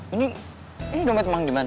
ini ini dompet emang diman